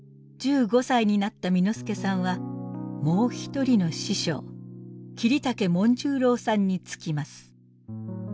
１５歳になった簑助さんはもう一人の師匠桐竹紋十郎さんにつきます。